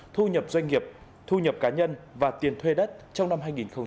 thu nhập doanh nghiệp thu nhập cá nhân và tiền thuê đất trong năm hai nghìn hai mươi